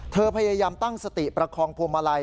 พยายามตั้งสติประคองพวงมาลัย